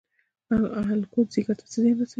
الکول ځیګر ته څه زیان رسوي؟